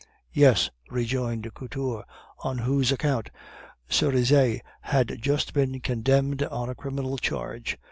"Yes," rejoined Couture, on whose account Cerizet had just been condemned on a criminal charge.